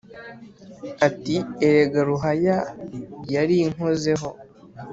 Ati:" Erega Ruhaya yari inkozeho!"